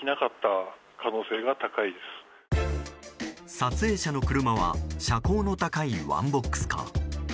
撮影者の車は車高の高いワンボックスカー。